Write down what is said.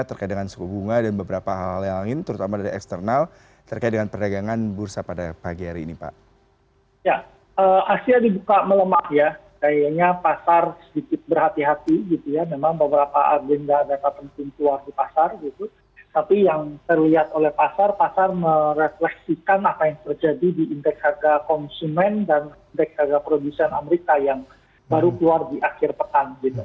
tapi yang terlihat oleh pasar pasar merefleksikan apa yang terjadi di indeks harga konsumen dan indeks harga produsen amerika yang baru keluar di akhir pekan